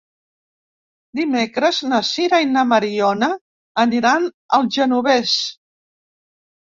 Dimecres na Sira i na Mariona aniran al Genovés.